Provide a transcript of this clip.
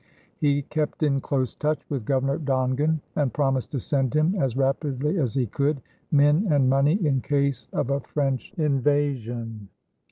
He kept in close touch with Governor Dongan, and promised to send him, as rapidly as he could, men and money in case of a French invasion.